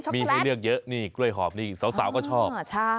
มีให้เลือกเยอะนี่กล้วยหอบนี่สาวก็ชอบ